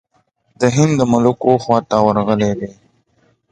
د هند د ملوکو خواته ورغلی دی.